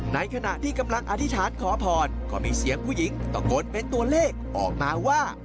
ในขณะที่กำลังอธิษฐานขอพรก็มีเสียงผู้หญิงตะโกนเป็นตัวเลขออกมาว่า